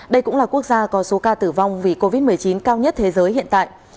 đây cũng là quốc gia có số ca tử vong vì covid một mươi chín cao nhất thế giới hiện tại